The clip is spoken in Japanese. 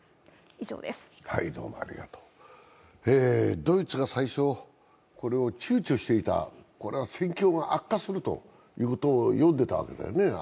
ドイツが最初、これを躊躇していたこれは戦況が悪化するということを読んでいたわけだよね。